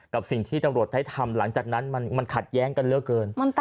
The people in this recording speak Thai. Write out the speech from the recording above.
กับสิ่งที่ตำรวจได้ทำหลังจากนั้นมันขัดแย้งกันเยอะเกิน